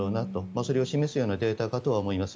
それを示すようなデータかとは思います。